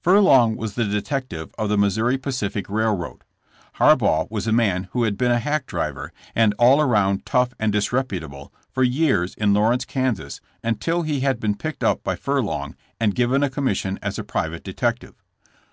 Furlong was the detective of the Missouri Pacific railroad. Harbaugh was a man who had been a hack driver, and all around tough and "disreputable," for years in Lawrence, Kas., until he had been picked up by Furlong and given a commission as a private detective.